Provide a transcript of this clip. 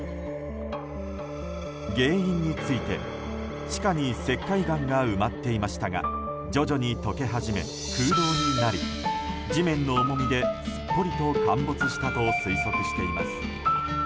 原因について、地下に石灰岩が埋まっていましたが徐々に溶け始め、空洞になり地面の重みですっぽりと陥没したと推測しています。